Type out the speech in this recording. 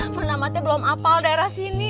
mana mati belum hafal daerah sini